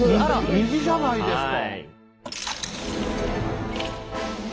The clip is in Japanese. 虹じゃないですか！